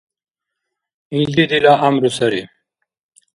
«Илди дила гӏямру сари…»